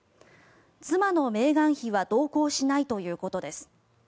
妻のメーガン妃は同行しないということです。